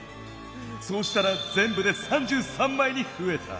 そうしたらぜんぶで３３まいにふえた！」。